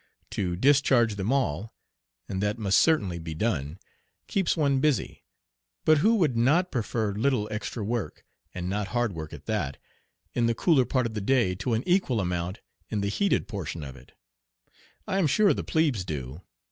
To discharge them all and that must certainly be done keeps one busy; but who would not prefer little extra work and not hard work at that in the cooler part of the day to an equal amount in the heated portion of it? I am sure the plebes do.